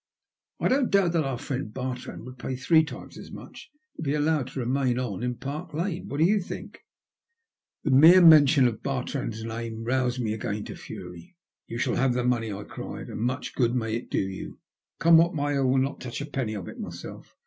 I don't doubt our friend Bartrand would pay three times as much to be allowed to remain on in Park Lane. What do you think ?" The mere mention of Bartrand*8 name roused me again to fury. '' Tou shall have the money," I cried. " And much good may it do you. Come what may, I will not touch a penny of it myself.